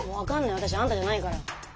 私あんたじゃないから。